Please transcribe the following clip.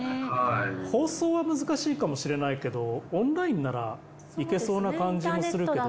放送は難しいかもしれないけどオンラインならいけそうな感じもするけど。